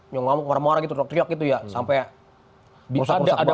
ngamuk kemara mara gitu teriak teriak gitu ya sampai rusak rusak balik